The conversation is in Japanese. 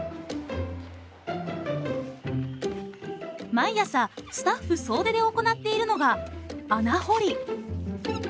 毎朝スタッフ総出で行っているのが穴掘り。